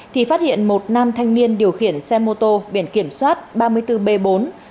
thì phát hiện một nam thanh niên điều khiển xe mô tô biển kiểm soát ba mươi bốn b bốn chín trăm bốn mươi chín